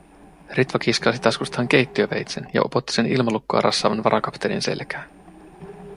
Ritva kiskaisi taskustaan keittiöveitsen ja upotti sen ilmalukkoa rassaavan varakapteenin selkään.